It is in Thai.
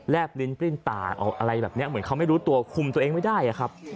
ลิ้นปริ้นตาออกอะไรแบบนี้เหมือนเขาไม่รู้ตัวคุมตัวเองไม่ได้อะครับ